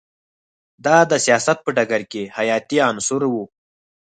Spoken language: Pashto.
دا د سیاست په ډګر کې حیاتی عنصر و